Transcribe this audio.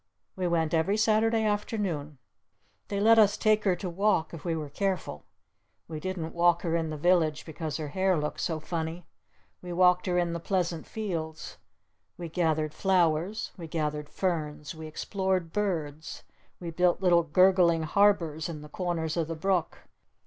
We went every Saturday afternoon. They let us take her to walk if we were careful. We didn't walk her in the village because her hair looked so funny. We walked her in the pleasant fields. We gathered flowers. We gathered ferns. We explored birds. We built little gurgling harbors in the corners of the brook.